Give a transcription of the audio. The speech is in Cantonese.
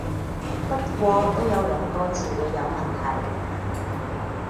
不過都有兩個詞彙有問題